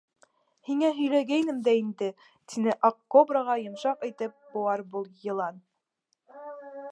— Һиңә һөйләгәйнем дә инде, — тине аҡ кобраға йомшаҡ итеп быуар йылан.